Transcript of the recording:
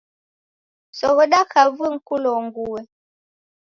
Soghoda kavui nikulonguye.